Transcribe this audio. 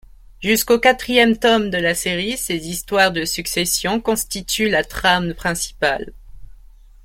Jusqu'au quatrième tome de la série, ces histoires de succession constituent la trame principale.